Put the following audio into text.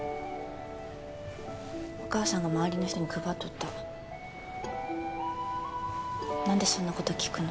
お母さんが周りの人に配っとった何でそんなこと聞くの？